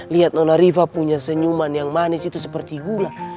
lihat nonariva punya senyuman yang manis itu seperti gula